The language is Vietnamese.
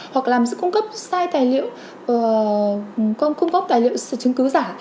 hoặc làm sự cung cấp sai tài liệu cung cấp tài liệu chứng cứ giả